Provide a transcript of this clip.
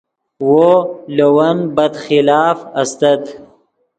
وو لے ون بد خلاف استت